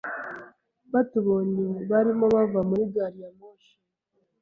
Batubonye barimo bava muri gari ya moshi.